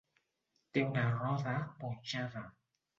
Té una roda punxada.